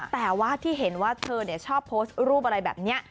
แต่ว่าที่เห็นว่าเธอชอบโพสต์รูปอะไรแบบนี้